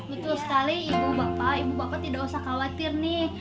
betul sekali ibu bapak ibu bapak tidak usah khawatir nih